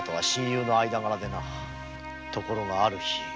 ところがある日。